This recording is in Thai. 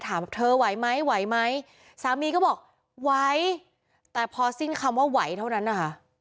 ถามเธอไหวไหมไหวไหมสามีก็บอกไหวแต่พอสิ้นคำว่าไหวเท่านั้นนะคะ